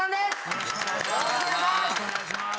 よろしくお願いします！